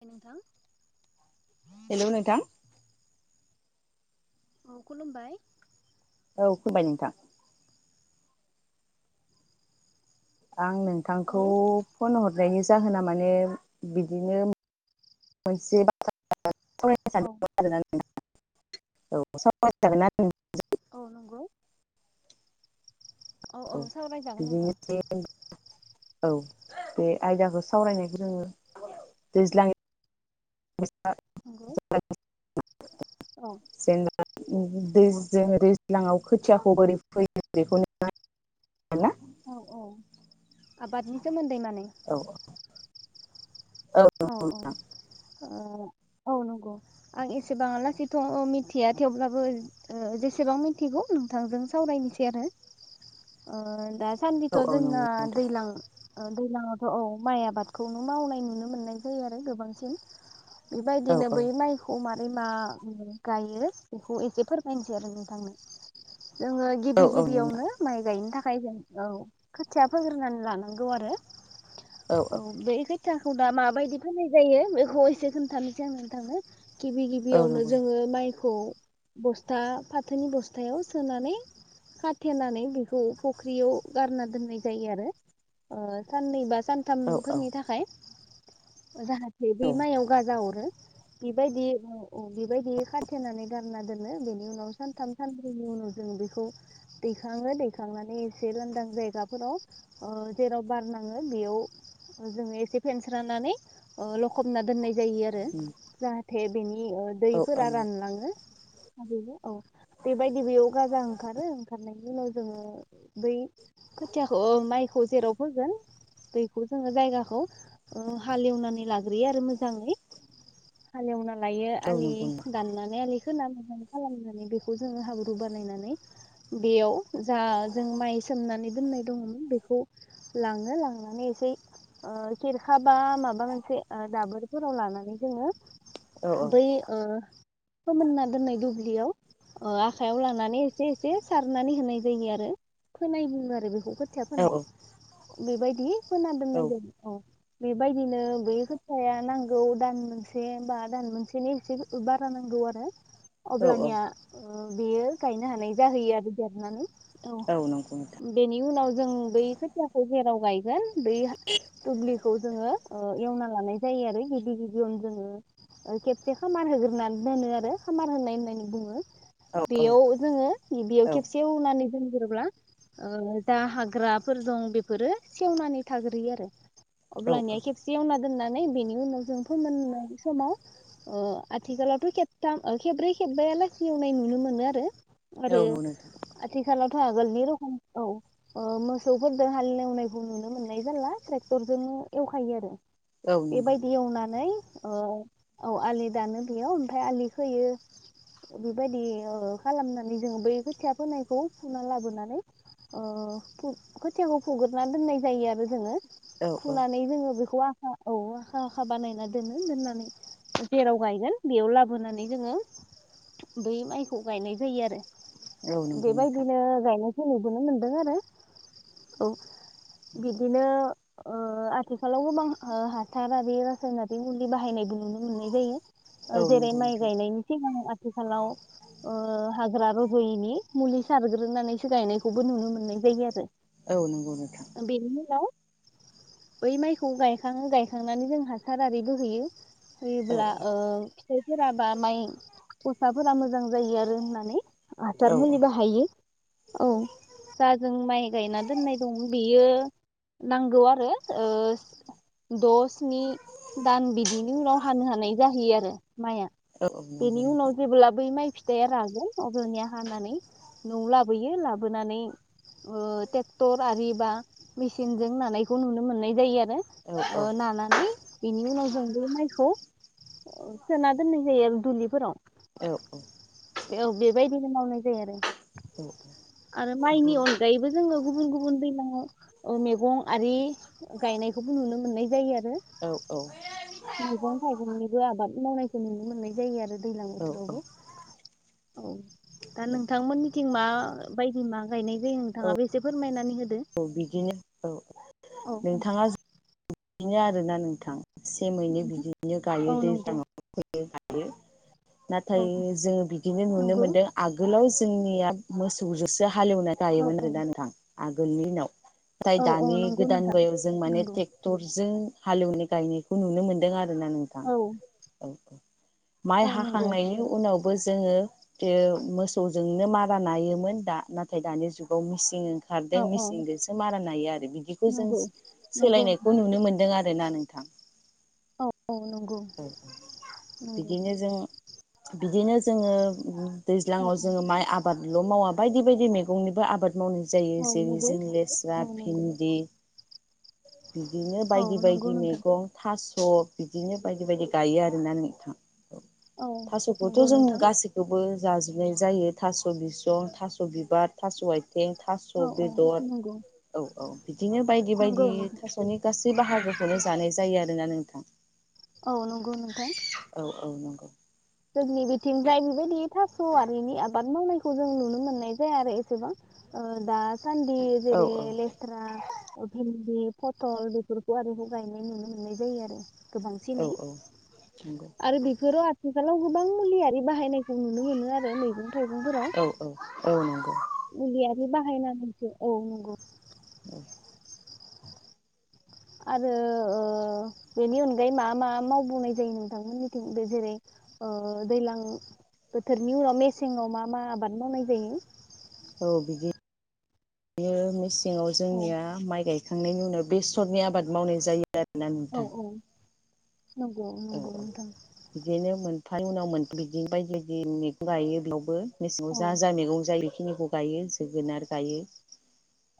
दे नोंथां। हेलौ नोंथां। औ खुलुमबाय। औ खुमबाय नोंथां। आं नोंथांखौ औ फन हरनायनि जाहोना माने बिदिनो मोनसे। [unintelligible] सावरायनो औ सानदोंमोन आरोना [unintelligible] औ सावराय जागोनना? [unintelligible] औ नोंगौ। औ औ। सावरायजागोन बिदिनो नोंथां। जे औ बे आयदाखौ सावरायनायखौ जोङो दैज्लां नोंगौ। [unintelligible] उम दै जो दैज्लांआव खोथियाखौ बोरै फोयो बेखौ [unintelligible] औ औ आबादनि सोमोन्दै मा औ। औ औ। ओ औ नंगौ आं एसेबां लासैथ' मिथिया थेवब्लाबो ओ जेसेबां मिथिगौ नोंथांजों सावरायनोसै आरो ओ दा औ सान्दिथ' औ नंगौ जोंना नोंथां दैलां ओ दैलांआवथ' औ माइ आबादखौनो मावनाय नुनो मोननाय जायो आरो गोबांसिन। औ बेबायदिनो औ बै माइखौ मा ब्रै मा उम गायो बेखौ एसे फोरमायनोसै आरो नोंथांनो। जोङो औ गिबि औ नंगौ गिबियावनो माइ गायनो था खाय जों औ खोथिया फोग्रोनानै लानांगौ आरो। औ बै खो खौ दा माबायदि फोनाय जायो बेखौ एसे खोन्थानोसै आं नोंथांनो। गिबि औ गिबियावनो नंगौ जोङो माइ खौ बस्था फाथोनि बस्थायाव सोनानै खाथेनानै बेखौ फख्रियाव गारना दोननाय जायो आरो ओ साननै बा औ औ सानथामफोरनि थाखाय जाहाथे औ बै माइआव गाजा अरो। बेबायदि औ बेबायदि खाथेनानै गारना दोनो बेनि उनाव सानथाम सानब्रैनि उनाव जोङो बेखौ दैखाङो दैखांनानै एसे लांदां जायगाफोराव जेराव ओ बार नाङो बेयाव जोङो एसे फेनस्रानानै ओ लखबना दोननाय जायो आरो जाहा थे बिनि बिनि ओ दैफोरा रानलाङो। औ बेबायदि बेयाव गाजा ओंखारो ओंखारनायनि उनाव जोङो बै खोथियाखौ माइखौ जेराव फोगोन बेखौ जोङो जायगाखौ ओ हालेवनानै लाग्रोयो आरो मोजाङै हालेवना लायो आलि नंगौ दाननानै आलि खोना खालामनानै बेखौ जोङो हाब्रु बानायनानै बेयाव जा जों माइ सोमनानै दोननाय दङमोन बेखौ लाङो लांनानै इसे खिरखा बा माबा मोनसे ओ दाबोरफोराव लानानै जोङो औ बै ओ फोमोनना दोननाय दुब्लियाव ओ आखाइयाव लानानै एसे एसे सारनानै होनाय जायो आरो फोनाय बुङो आरो बेखौ खोथिया औ फोनाय। बेबायदि फोना दोननाय जायो। औ बेबायदिनो बै खोथियाया नांगौ दान मोनसे बा दान मोनसेनि एसे बारा नांगौ आरो औ औ अब्लानिया ओ बेयो गायनो हानाय जाहैयो आरो देरनानै नंगौ नोंथां औ बेनि उनाव जों बै खोथियाखौ जेराव गाय गोन बै दुब्लिखौ ओ जोङो एवना लानाय जायो आरो गिबि गिबियावनो जोङो ओ खेबसे खामार होग्रानै दोनो आरो खामार होनाय होननानै बुङो। औ औ बेयाव जोङो बेयाव औ खेबसे एवनानै दोनग्रोब्ला ओ जा हाग्राफोर दं बेफोरो सेवनानै थाग्रोयो आरो। औ अब्लानिया खेबसे एवना दोननानै बेनि उनाव जों फोमोननाय समाव ओ आथिखालावथ' खेबथाम खेबब्रै खेबबा आलासि एवनाय नुनो मोनो आरो औ आरो नंगौ नोंथां आथिखालाव आगोलनि रखम औ मोसौफोरजों हालेवनायखौ नुनो मोननाय जाला ट्रे क्टरजों एवखायो आरो। औ नंगौ बेबायदि एवनानै ओ औ आलि दानो बेयाव ओमफाय आलि खोयो बेबायदि ओ खालामनानै जोङो बै खोथिया फोनायखौ फुना लाबोनानै ओ फु खोथियाखौ फुगोरना दोननाय जायो आरो जोङो। औ औ फुनानै जोङो बेखौ आ औ आखा आखा बानायना दोनो दोननानै जेराव गायगोन बेयाव लाबोनानै जोंङो बै माइखौ गायनाय जायो आरो। औ नंगौ नोंथां बेबायदिनो गायनाय [unintelligible] मोनदों आरो औ बिदिनो ओ आथिखालाव गोबां ओ हासारारि रासायनारिक मुलि बाहायनायबो नुनो मोननाय जायो। औ ओ जेरै नंगौ माइ नोंथां गायनायनि सिगां आथिखालाव ओ हाग फोरा रजयैनि मुलि सारग्रोनानै सो गायनायखौबो नुनो मोननाय जायो आरो औ नंगौ नोंथां बेनि उनाव बै माइखौ गायखाङो गायखांनानै जों हासार आरि बो होैयो। औ होयोबोला ओ फिथाइ फोराबा माइ गसाफोरा मोजां जायो आरो होननानै औ हासार मुलि बाहायो। औ जा जों माइ गायना दोननाय दं बेयो नांगौ आरो ओ द सिनि दान बिदि बिनि उनाव हानो हानाय जाहैयो आरो माइआ औ औ नंगौ बेनि उनाव नोंथां जेब्ला बै माइ फिथाइा रागोन अब्लानिया हानानै न'आव लाबोयो लाबोनानै ओ ट्रेक्टर आरि बा मेसि सिनजों नानायखौ नुनो मोननाय जायो आरो औ ओ नानानै बिनि उनाव जों बे माइखौ सोना दोननाय जायो दुलिफोराव औ औ औ बेबायदिनो मावनाय जायो आरो आरो माइनि अनगायैबो जोंङो गुबुन गुबुन हन दैल्लांङाव ओ मेगं आरि गायनायखौबो नुनो मोननाय जायो आरो औ मैगं थाइगंनिबो आबाद मावनाय नुनो मोननाय जायो आरो दैज्लां औ औ बोथोरावबो औ दा नोंथांमोननिथिं मा बायदि मा गायनाय जायो नोंथाङाबो एसे फोरमायनानै हो? औ बिदिनो औ औ नोंथाङा जे बिदिनो आरोना नोंथां से मैनि बिदिनो गायो औ नंगौ दैज्लांव [unintelligible] नाथाय औ जोङो बिदिनो नुनो नंगौ मोनदों आगोलाव जोंनिया मोसौजोसोया हालौवना औ गायोमोन आरो नंगौ दा नोंथां आंखौ गोलनिनाव थाय औ औ दानि नंगौ गोदान नोंथां बायाव जों माने नंगौ ट्रेक्टरजों हालेवनाय गायनायखौ नुनो मोन्दों आर होना नोंथां औ औ औ माइ औ नंगौ हाखांनायनि उनावबो जोङो थेव मोसौजोंनो मारा नायोमोन दा नाथाय दानि जुगाव मिसिं ओंखार दों औ औ मिचिनगोसो मारा नायो आरो बिदिखौ जों नंगौ नंगौ सोलायनायखौ नोंथां नुनो मोनदों आरो ना नोंथां। औ। औ नंगौ ओ नंगौ बिदिनो जों बिदिनो जोङो औ दैज्लाङाव जोङो माइ आबाद ल' मावा बायदि बायदि मैगंनिबो आबाद मावनाय जायो औ जें नंगौ जों लेस्रा औ नंगौ भिन्दि बिदिनो औ बायदि नंगौ बायदि नोंथां मैगं थास अ बिदिनो बायदि बायदि गायो आरो ना नोंथां औ थास'बोथ' नंगौ जों नोंथां गाससिखोबो जाजोबनाय जायो थास' बिसं थास' बिबार थास' आइथ थे थास' औ औ बेदर नंगौ औ औ बिदिनो बायदि बायदि नंगौ नोंथां थास'नि गासै औ बाहागोखौनो जानाय जायो आर दोना नोंथां औ नंगौ नोंथां। औ औ नंगौ जोंनि बिथिं जाय बेबायदि थास' आरिनि आबाद मावनायखौ जों नुनो मोननाय जाया आरो एसेबां दा सन्दि औ जेरै औ लेट्रा अ'बेनदिप फटल बेफोरखौहाय बुबुं गायनाय नुनो मोननाय जायो आरो। औ गोबांसैनै नंगौ आरो बेफोरो खुलाव गोबां मुलियि बाहायनायखौ नुनो मोनो आरो मैगं थाइगंफोराव औ औ औ नं। मुलियारि बाहायनानैसो औ नंगौ [unintelligible] आरो ओ बेनि अनगायै मा मा मावबावनाय जायो नोंथांमोननिथिं बे जेरै ओ दैलां बोथोरनि उनाव मेसेंआव मा मा आबाद मावनाय जायो? औ बिदि बिदिनो मिस। सिङाव औ जोंनिया माइ गाय। खांनायनि उनाव बेसरनि आबाद मावनाय जायो। आरो ना औ नोंथां। औ नंगौ औ नंगौ औ नोंथां बिदिनो मोन फानि उनाव मोन बिदि बायदि बायदि मैगं गायो बेयावबो। मेसेंआव औ जा जा मैगं जायो। बेखिनिखौ गायो जोगोनार गायो।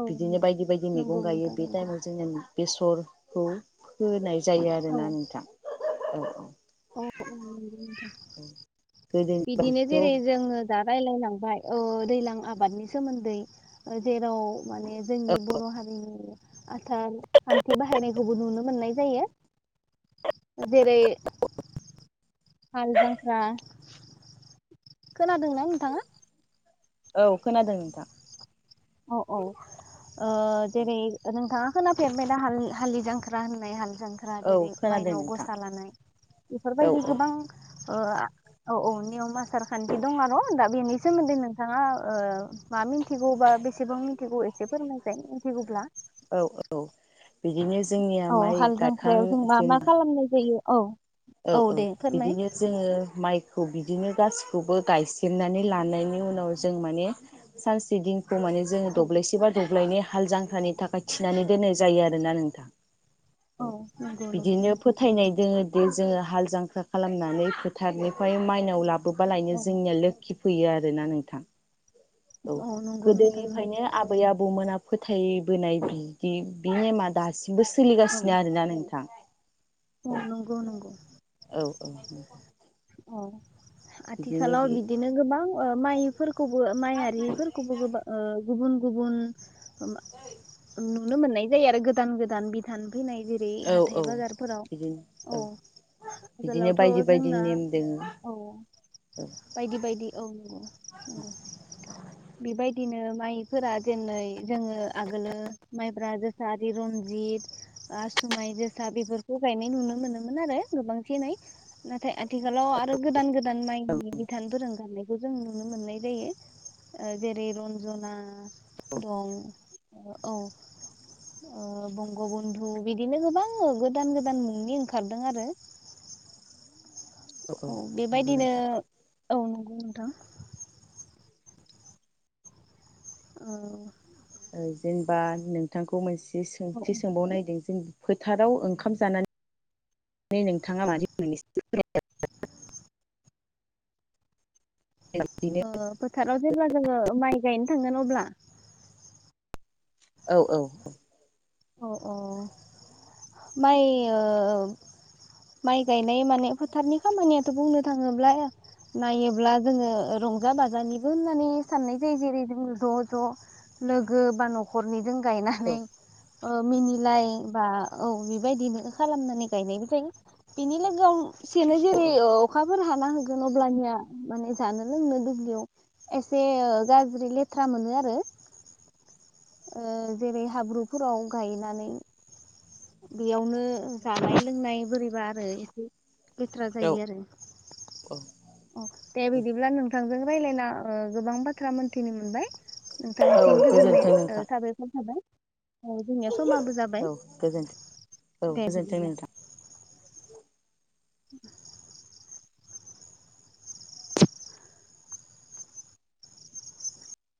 औ बिदिनो बायदि बायदि नंगौ मैगं गायो नोंथां बे नंगौ टाइमाव जोंनिया बेसरखौ फोनाय जायो औ आरोना नोंथां। औ औ औ नंगौ नोंथां गोदोनि बिदिनो बादिथ' जेरै जोंङो दा रायलाय लांबाय ओ दैलां आबादनि सोमोन्दै ओ जेराव माने जोंनि बर' हारिनि आथार खान्थि बाहायनायखौबो नुनो मोननाय जायो जेरै हालजांख्रा। खोनादोंना नोंथाङा? औ खोनादों नोंथां। औ औ ओ जेरै नोंथां खोना फेरबायना हाल हालिजों ख्रा होननाय हाल जांख्रा औ जेरै खोनादों मायनाव नोंथां गसा लानाय औ बेफोरबायदि गोबां ओ ओ औ औ नियम आसार खान्थि दं' आरो दा बेनि सोमोन्दै नोंथाङा मा मिथिगौबा बेसे सेबां मिथिगौ एसे फोरमायजाय मिथिगौब्ला औ औ बिदिनो जोंनिया औ माइ हाल गायखां जांख्रायाव मा जों मा खालामनाय जायो औ औ औ दे फोरमाय बिदिनो जोंङो माइ खौ बिदिनो गासिखौबो गायसेबनानै लानायनि उनाव जों माने सानसे दिन गौ माने जोंङो औ दब्लायसे बा दब्लायनै हाल जांख्रानि थाखाय थिनानै दोननाय जायो आरोना नोंथां। औ नंगौ नंगौ बिदिनो फोथायनाय दोंङो जोंङो हाल जांख्रा खालामनानै फोथारनिफ्राय माइनाव लाबो बोबा लायनो जोंनिया लोखि फैयो आरोना नोंथां। औ नंगौ नोंथां गोदोनिफ्रायनो नंगौ आबै आबौमोना फोथाय बोनाय बिदि बि नेमा दासि बो सोलिगासिनो आरोना नोंथां। औ नंगौ नंगौ। औ औ उम। अ आथिखालाव बे बिदिनो गोबां ओ माइफोरखौबो माइ आरिफोरखौबो गोबां ओ गुबुन गुबुन [unintelligible] नुनो मोननाय जायो आरो गोदान गोदान बिधान फैनाय जेरै औ हाथाय बाजारफोराव औ बिदिनो आगोलावथ' बायदि बायदि जोंना नेम दोङो औ औ बायदि बायदि औ नंगौ नंगौ बेबाय दिनो माइफोरा जेनै जोङो आगोलो माइब्रा, जोसा आरि रनजित, आसुमाइ, जोसा बेफोरखौ गायनाय नुनो मोनोमोन आरो गोबांसिनै नाथाय आथ थिखालाव आरो गोदान गोद दान माइनि बिधानफोर ओंखारदो। खौ जों नुनो मोननाय जायो ओ जेरै रन्जना दं औ ओ बंग'बन्धु बिदिनो गोबां गोदान गोदान मुंनि ओंखारदों आरो। औ नंगौ बेबायदिनो नोंथां औ गौ नोंथां। औ ओ जेनेबा नोंथांखौ मोनसे ओ सोंथि सोंबाव नायदों जों फोथाराव ओंखाम जानानै नोंथाङा मादि [unintelligible] बिदिनो ओ फोथाराव जेब्ला जोङो माइ गायनो थांगोन अब्ला औ औ औ। औ अ माइ ओ माइ गायनाय माने फोथारनि खामानियाथ' बुंनो थाङोब्ला नायोब्ला जोङो रंजा बाजानिबो होननानै साननाय जायो जेरै जोङो ज' ज' लोगो बा न'खरनि औ गायनानै ओ मिनिलाय बा औ बेबायदिनो खालामनानै गायनायबो जायो बिनि लोगोआव सेनो जेरै औ ओ अखा फोर हाना होगोन अब्लानिया माने जानो लोंनो दुब्लियाव एसे ओ गाज्रि लेथ्रा मोनो आरो। ओ जेरै हाब्रुफोराव गायनानै बेयावनो जानाय लोंनाय बोरैबा आरो एसे। लेथ्रा औ जायो आरो औ अ दे बिदिब्ला नोंथांजों रायलायना ओ गोबां बाथ्रा मोनथिनो मोनबाय। औ नोंथांनिसिम गोजोननाय गोजोन्थों ओ नोंथां साबायखर थाबाय। औ जोंनिया समाबो औ जाबाय गोजोन्थों औ दे गोजोन्थों बिदिब्ला। नोंथां [inaudible]